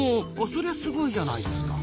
そりゃすごいじゃないですか。